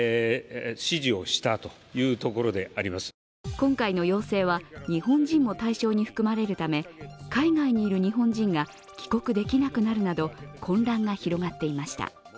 今回の要請は日本人も対象に含まれるため、海外にいる日本人が帰国できなくなるなど混乱が広がっていました。